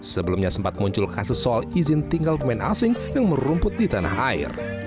sebelumnya sempat muncul kasus soal izin tinggal pemain asing yang merumput di tanah air